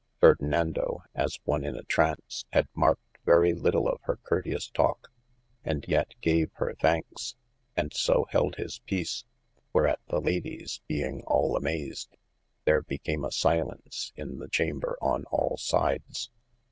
Ferdinando (as on in a traunce) had marked very litle of hir curteouse talke, & yet gave hir thankes, and so held his peace whereat the Ladyes (being all amazed) there became a silence in the chamber on all sides.